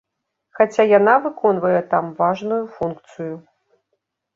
Хаця яна выконвае там важную функцыю.